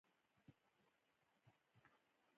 دوی د جي شل غونډې کوربه توب وکړ.